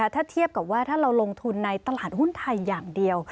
ถ้าเทียบกับว่าถ้าเราลงทุนในตลาดหุ้นไทยอย่างเดียว